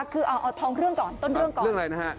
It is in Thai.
คือเอาทองเครื่องก่อนต้นเรื่องก่อนเรื่องอะไรนะฮะ